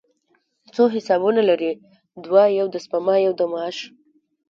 څو حسابونه لرئ؟ دوه، یو د سپما، یو د معاش